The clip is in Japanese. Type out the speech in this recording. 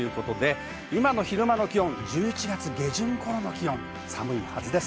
今の昼間の気温は１１月下旬頃の気温です。